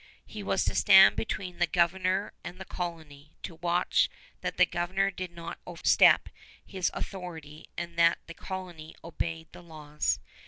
He was to stand between the Governor and the colony, to watch that the Governor did not overstep his authority and that the colony obeyed the laws.